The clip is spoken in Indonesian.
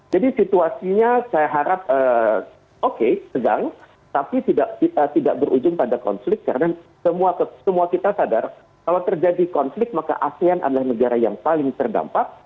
jadi situasinya saya harap oke sedang tapi tidak berujung pada konflik karena semua kita sadar kalau terjadi konflik maka asean adalah negara yang paling terdampak